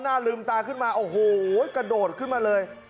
หน้าลืมตาขึ้นมาโอ้โหกระโดดขึ้นมาเลย